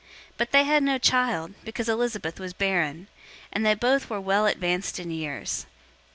001:007 But they had no child, because Elizabeth was barren, and they both were well advanced in years.